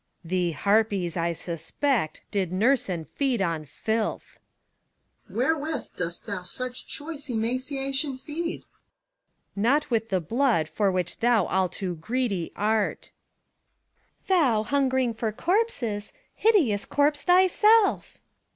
Thee harpies, I suspect, did nurse and feed on filth. CHORETID V. Wherewith dost thou such choice emaciation feedt ACT III. 148 PHORKYAS. Not with the blood, for which thou all too greedy art. CHORETID VI. Thou, hungering for corpses, hideous corpse thyself!